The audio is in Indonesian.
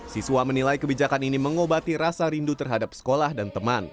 siswa menilai kebijakan ini mengobati rasa rindu terhadap sekolah dan teman